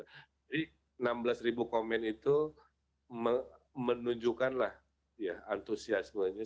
jadi enam belas ribu komen itu menunjukkanlah ya antusiasmenya